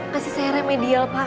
kasih saya remedial pak